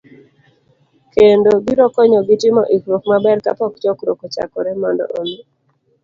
kendo, biro konyogi timo ikruok maber kapok chokruok ochakore, mondo omi